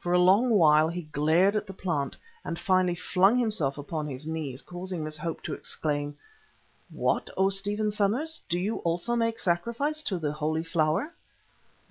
For a long while he glared at the plant, and finally flung himself upon his knees, causing Miss Hope to exclaim: "What, O Stephen Somers! do you also make sacrifice to the Holy Flower?"